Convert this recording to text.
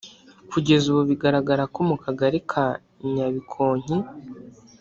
Kugeza ubu bigaragara ko mu Kagari ka Nyabikonki